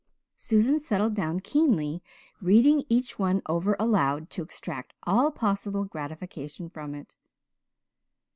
Susan settled down keenly, reading each one over aloud to extract all possible gratification from it.